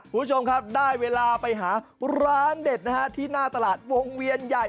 คุณผู้ชมครับได้เวลาไปหาร้านเด็ดนะฮะที่หน้าตลาดวงเวียนใหญ่